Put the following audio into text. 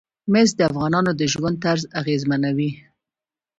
مس د افغانانو د ژوند طرز اغېزمنوي.